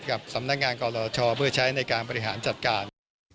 กับสำนักงานกรชเพื่อใช้ในการบริหารจัดการ